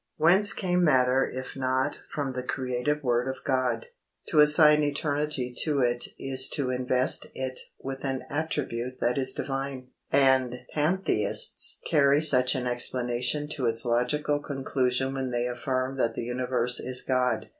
Whence came matter if not from the creative word of God? To assign eternity to it is to invest it with an attribute that is Divine, and Pantheists carry such an explanation to its logical conclusion when they affirm that the universe is God.